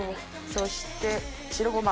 そして白ごま。